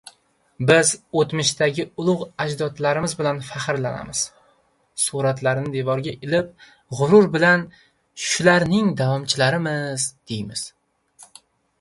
“Biz oʻtmishdagi ulugʻ ajdodlarimiz bilan faxrlanamiz. Suratlarini devorga ilib, gʻurur bilan “shularning davomchilarimiz”, deymiz.